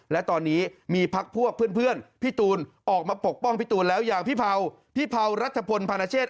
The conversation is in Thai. และตอนนี้มีพักพวกเพื่อนพี่ตูนออกมาปกป้องพี่ตูนแล้วอย่างพี่เผารัฐพลพาณเชษ